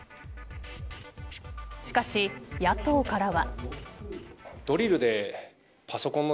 しかし、野党からは。